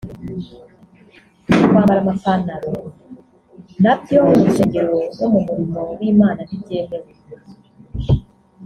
Kwambara amapantaro nabyo mu rusengero no mu murimo w’Imana ntibyemewe